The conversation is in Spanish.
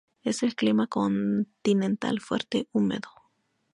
Es el clima continental fuerte húmedo.